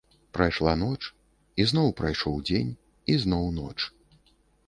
Прайшла ноч, і зноў прайшоў дзень, і зноў ноч.